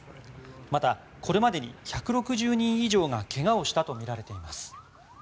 また、これまでに１６０人以上がけがをしたとみられています。